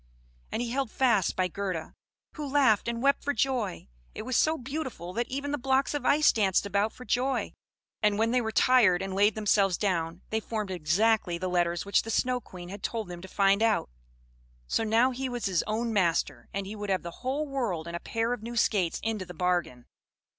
And he held fast by Gerda, who laughed and wept for joy. It was so beautiful, that even the blocks of ice danced about for joy; and when they were tired and laid themselves down, they formed exactly the letters which the Snow Queen had told him to find out; so now he was his own master, and he would have the whole world and a pair of new skates into the bargain.